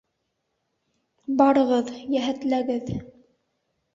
— Барығыҙ, йәһәтләгеҙ!